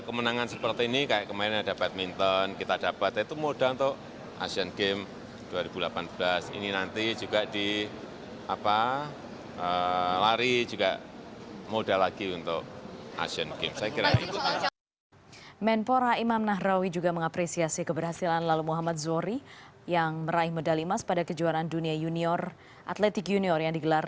kemenangan sprinter lalu muhammad zohri dalam kejuaraan dunia junior